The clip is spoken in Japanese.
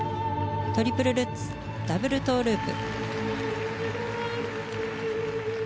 トリプルルッツダブルトウループ。